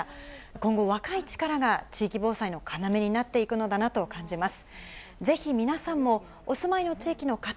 今後、若い力が地域防災の要になっていくのだなと感じます。